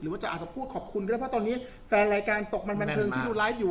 ว่าจะอาจจะพูดขอบคุณก็ได้เพราะตอนนี้แฟนรายการตกมันบันเทิงที่ดูไลฟ์อยู่